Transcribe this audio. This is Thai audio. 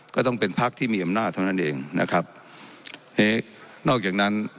ก็ต้องเป็นพักที่มีอำนาจเท่านั้นเองนะครับนอกจากนั้น